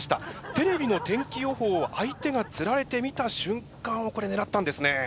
テレビの天気予報を相手がつられて見た瞬間をこれ狙ったんですね。